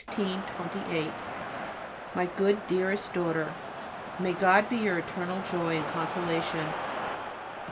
_ MY GOOD, DEAREST DAUGHTER, May God be your eternal joy and consolation!